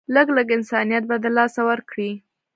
لږ لږ انسانيت به د لاسه ورکړي